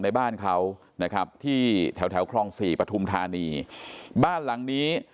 ในบ้านเขานะครับที่แถวแถวคลองสี่ปฐุมธานีบ้านหลังนี้